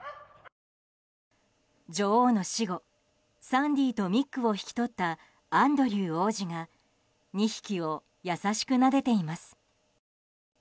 女王の死後サンディとミックを引き取ったアンドリュー王子が２匹を優しくなでています。